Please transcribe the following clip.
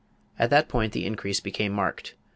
At that point the increase became marked.